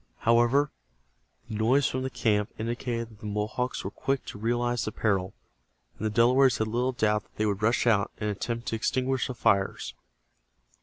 However, the noise from the camp indicated that the Mohawks were quick to realize the peril, and the Delawares had little doubt that they would rush out and attempt to extinguish the fires.